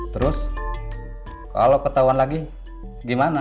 terus kalau ketahuan lagi gimana